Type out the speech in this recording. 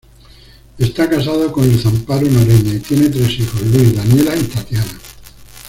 Está casado con Luz Amparo Noreña y tiene tres hijos Luis, Daniela y Tatiana.